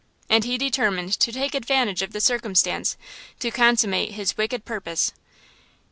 And he determined to take advantage of the circumstance to consummate his wicked purpose.